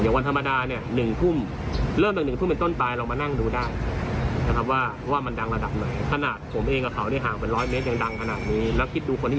อย่างวันธรรมดาเนี่ย๑ทุ่ม